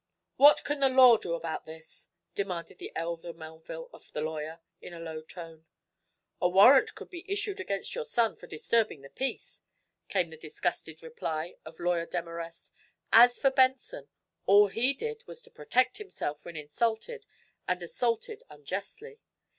"What can the law do about this?" demanded the elder Melville of the lawyer, in a low tone. "A warrant could be issued against your son for disturbing the peace," came the disgusted reply of Lawyer Demarest. "As for Benson, all he did was to protect himself when insulted and assaulted unjustly.